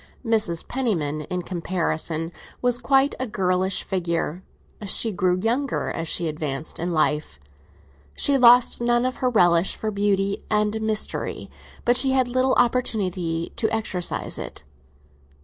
Mrs. Penniman, in comparison, was quite a girlish figure; she grew younger as she advanced in life. She lost none of her relish for beauty and mystery, but she had little opportunity to exercise it.